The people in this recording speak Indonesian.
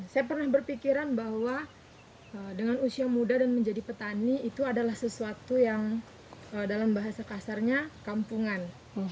saya pernah berpikiran bahwa dengan usia muda dan menjadi petani itu adalah sesuatu yang dalam bahasa kasarnya kampungan